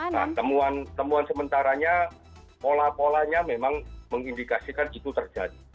nah temuan temuan sementaranya pola polanya memang mengindikasikan itu terjadi